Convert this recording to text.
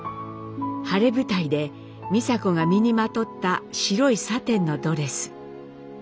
晴れ舞台で美佐子が身にまとった白いサテンのドレス。